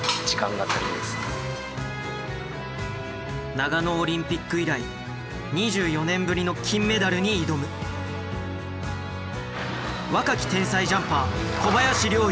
長野オリンピック以来２４年ぶりの金メダルに挑む若き天才ジャンパー小林陵侑。